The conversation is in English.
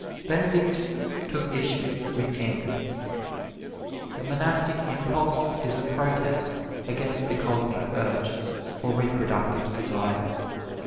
Benedict took issue with Anthony. The Monastic Impulse is a protest against the Cosmic Urge, or reproductive desire.